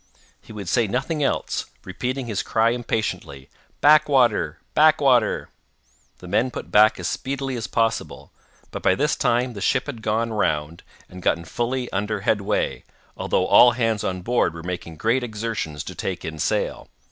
He would say nothing else—repeating his cry impatiently, back water! back water! The men put back as speedily as possible, but by this time the ship had gone round, and gotten fully under headway, although all hands on board were making great exertions to take in sail.